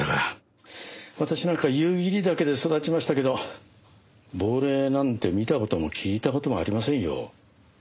私なんか夕霧岳で育ちましたけど亡霊なんて見た事も聞いた事もありませんよ。